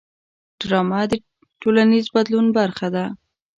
ډرامه د ټولنیز بدلون برخه ده